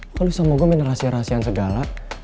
kalo lu sama gue main rahasia rahasian segala